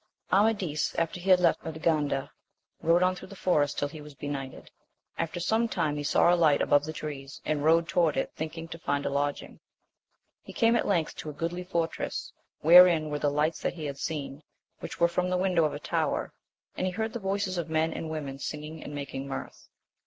MADIS, after he had left Urganda, rode on through the forest till he was benighted. After some time he saw a light above the trees, and rode toward it thinking to find a lodging. He came at length to a goodly fortress wherein were the lights that he had seen, which were from the win dow of a tower, and he heard the voices of men and women singing and making mirth.